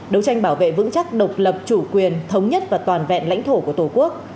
đấu tranh bảo vệ vững chắc độc lập chủ quyền thống nhất và toàn vẹn lãnh thổ của tổ quốc